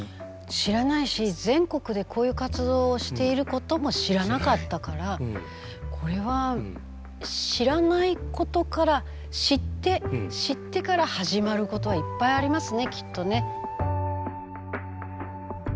知らないし全国でこういう活動をしていることも知らなかったからこれは知らないことから知って知ってから始まることはいっぱいありますねきっとね。